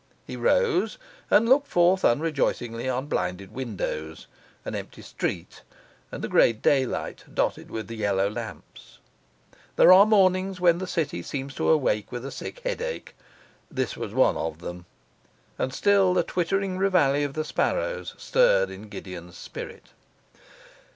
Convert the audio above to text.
He rose and looked forth unrejoicingly on blinded windows, an empty street, and the grey daylight dotted with the yellow lamps. There are mornings when the city seems to awake with a sick headache; this was one of them; and still the twittering reveille of the sparrows stirred in Gideon's spirit.